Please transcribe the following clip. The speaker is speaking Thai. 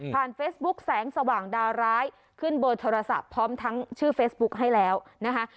เฟซบุ๊คแสงสว่างดาวร้ายขึ้นเบอร์โทรศัพท์พร้อมทั้งชื่อเฟซบุ๊คให้แล้วนะคะ